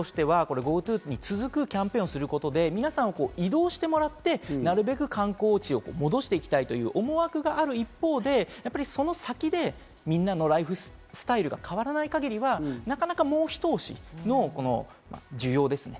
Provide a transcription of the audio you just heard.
なので政府としてはＧｏＴｏに続くキャンペーンをすることで、皆さんに移動してもらって、なるべく観光地を戻していきたいという思惑がある一方で、やっぱりその先でみんなのライフスタイルが変わらない限りはなかなかもうひと押しの需要ですね。